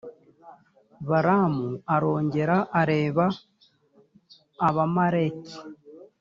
balamu arongera areba abamaleki.